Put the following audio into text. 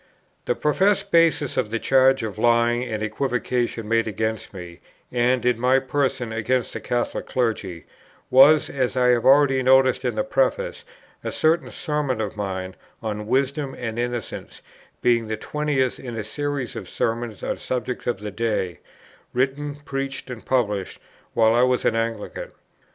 The professed basis of the charge of lying and equivocation made against me, and, in my person, against the Catholic clergy, was, as I have already noticed in the Preface, a certain Sermon of mine on "Wisdom and Innocence," being the 20th in a series of "Sermons on Subjects of the Day," written, preached, and published while I was an Anglican.